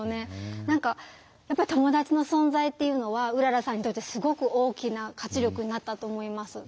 何かやっぱり友達の存在っていうのはうららさんにとってすごく大きな活力になったと思います。